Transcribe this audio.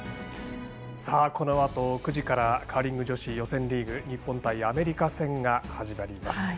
このあと９時からカーリング女子予選リーグ日本対アメリカ戦が始まります。